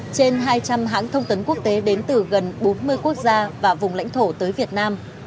trên hai trăm linh hãng thông tấn quốc tế đến từ gần bốn mươi quốc gia và vùng lãnh thổ tới việt nam